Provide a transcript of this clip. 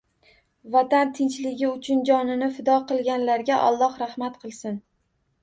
Vatan tinchligi uchun jonini fido qilganlarga Alloh rahmat qilsin.